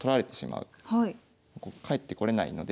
帰ってこれないので。